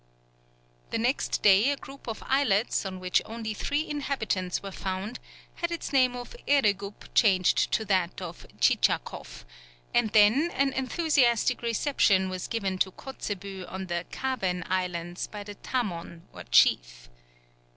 The next day a group of islets, on which only three inhabitants were found, had its name of Eregup changed to that of Tchitschakoff, and then an enthusiastic reception was given to Kotzebue on the Kawen Islands by the tamon or chief.